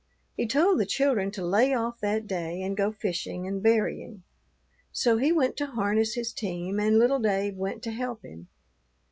He told the children to lay off that day and go fishing and berrying. So he went to harness his team, and little Dave went to help him.